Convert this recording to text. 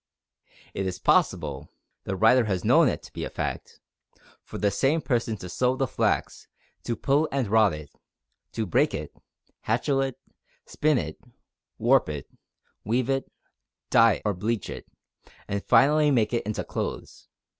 It is possible (the writer has known it to be a fact) for the same person to sow the flax, to pull and rot it, to break it, hatchel it, spin it, warp it, weave it, dye or bleach it, and finally make it into clothes.